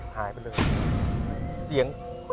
หายไปเลย